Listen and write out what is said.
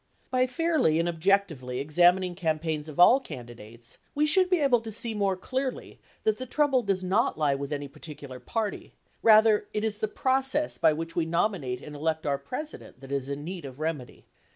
By fairly and objectively examining campaigns of all candidates, we should be able to see more clearly that the trouble does not lie with any particular party ; rather it is the process by which we nominate and elect our President that is in need of remedy.